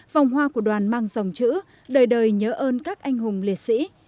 vòng hoa của đoàn mang dòng chữ đời đời nhớ ơn các anh hùng liệt sĩ